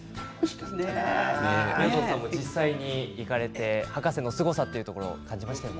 実際に行かれて博士のすごさを感じましたよね。